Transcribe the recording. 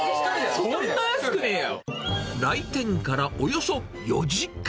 そん来店からおよそ４時間。